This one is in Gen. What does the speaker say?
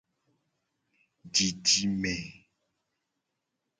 Didime.